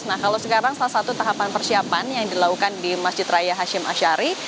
nah kalau sekarang salah satu tahapan persiapan yang dilakukan di masjid raya hashim ashari